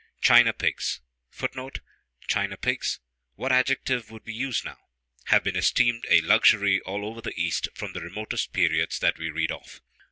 China pigs [Footnote: China pigs. What adjective would we use now?] have been esteemed a luxury all over the East from the remotest periods that we read of.